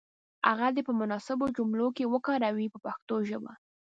هغه دې په مناسبو جملو کې وکاروي په پښتو ژبه.